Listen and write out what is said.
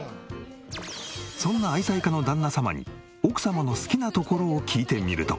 そんな愛妻家の旦那様に奥様の好きなところを聞いてみると。